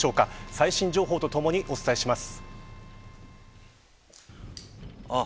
最新情報とともにお伝えします。